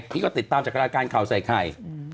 พี่ก็ติดตามจากรายการข่าวใส่ไข่